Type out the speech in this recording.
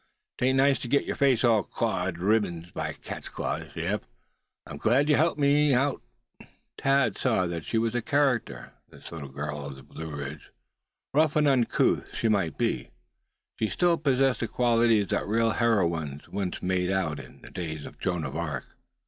'Tain't nice to git yuh face all clawed to ribbands by cat's claws. Yep, I'm glad ye helped me outen it." Thad saw that she was a character, this girl of the Blue Ridge. Rough and uncouth, she might be, still she possessed the qualities that real heroines were once made out of in the days of Joan of Arc.